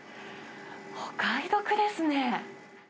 お買い得ですね。